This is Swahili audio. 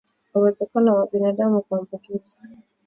Uwezekano wa binadamu kuambukizwa